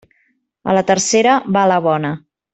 A la tercera va la bona.